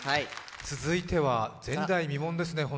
続いては前代未聞ですね